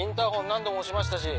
何度も押しましたし